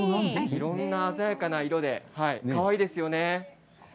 いろんな鮮やかな色でかわいいですよね。